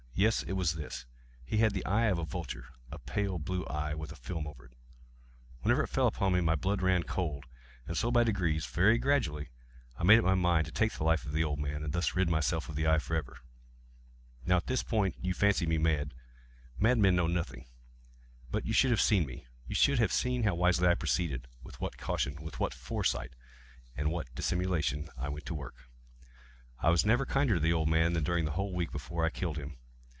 yes, it was this! He had the eye of a vulture—a pale blue eye, with a film over it. Whenever it fell upon me, my blood ran cold; and so by degrees—very gradually—I made up my mind to take the life of the old man, and thus rid myself of the eye forever. Now this is the point. You fancy me mad. Madmen know nothing. But you should have seen me. You should have seen how wisely I proceeded—with what caution—with what foresight—with what dissimulation I went to work! I was never kinder to the old man than during the whole week before I killed him.